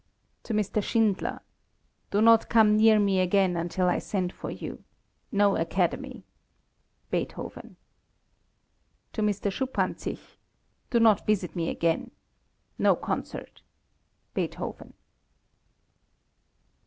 TO M. SCHINDLER, Do not come near me again until I send for you. No Academy. BEETHOVEN. TO M. SCHUPPANZICH, Do not visit me again. No concert. BEETHOVEN.